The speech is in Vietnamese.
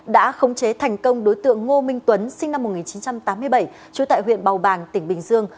đã khống chế thành công đối tượng ngô minh tuấn sinh năm một nghìn chín trăm tám mươi bảy trú tại huyện bào bàng tỉnh bình dương